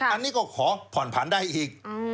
อันนี้ก็ขอผ่อนผันได้อีก